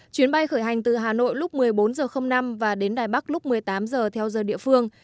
chuyến bay khởi hành từ hà nội lúc một mươi bốn h năm và đến đài bắc lúc một mươi tám h theo giờ địa phương